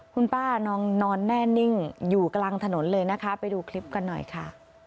คุณป้านอนแน่นิ่งอยู่กลางถนนเลยนะคะไปดูคลิปกันหน่อยค่ะ